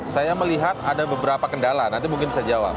saya melihat ada beberapa kendala nanti mungkin bisa jawab